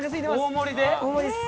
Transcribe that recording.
大盛りです。